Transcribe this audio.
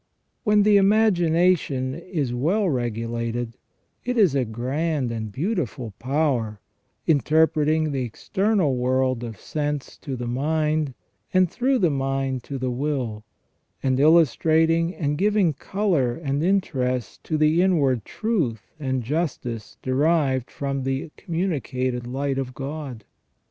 When the imagination is well regulated, it is a grand and beautiful power, interpreting the external world of sense to the mind, and through the mind to the will ; and illustrating and giving colour and interest to the inward truth and justice derived from the communicated light of God.